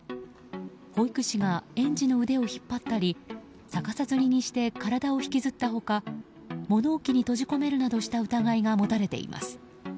保育士が園児の腕を引っ張ったり逆さづりにして体を引きずった他物置に閉じ込めるなどした疑いが持たれています。